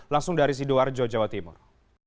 langsung dari sidoarjo jawa timur